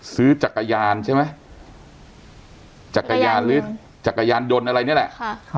ซื้อจักรยานใช่ไหมจักรยานหรือจักรยานยนต์อะไรนี่แหละ